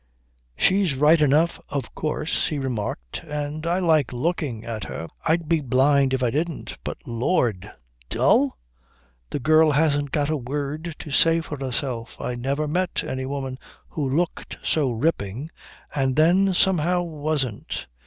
"She's right enough, of course," he remarked, "and I like looking at her. I'd be blind if I didn't. But Lord, dull? The girl hasn't got a word to say for herself. I never met any woman who looked so ripping and then somehow wasn't.